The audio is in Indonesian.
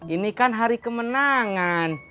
ini kan hari kemenangan